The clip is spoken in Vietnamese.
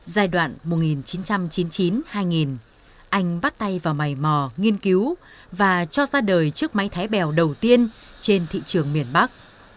giai đoạn một nghìn chín trăm chín mươi chín hai nghìn anh bắt tay vào mày mò nghiên cứu và cho ra đời chiếc máy thái bèo đầu tiên trên thị trường miền bắc